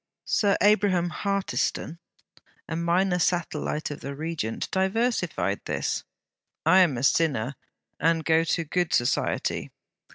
Sir Abraham Hartiston, a minor satellite of the Regent, diversified this: 'I am a sinner, and go to good society.'